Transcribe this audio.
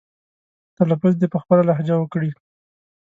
تلفظ دې په خپله لهجه وکړي.